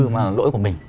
mà là lỗi của mình